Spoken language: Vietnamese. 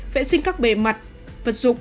vệ sinh các bề mặt vật dụng